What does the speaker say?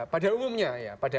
pada umumnya ya pada